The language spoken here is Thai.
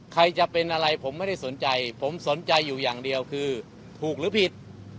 ใครจะเป็นอะไรผมไม่ได้สนใจผมสนใจอยู่อย่างเดียวคือถูกหรือผิด